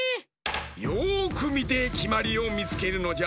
よくみてきまりをみつけるのじゃ。